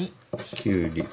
きゅうり。